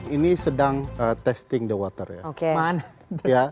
ini sedang testing the water ya